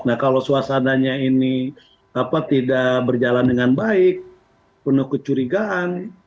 nah kalau suasananya ini tidak berjalan dengan baik penuh kecurigaan